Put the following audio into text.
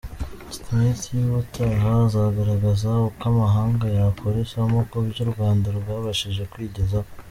Smith y’ubutaha azagaragaza uko amahanga yakura isomo ku byo u Rwanda rwabashije kwigezaho.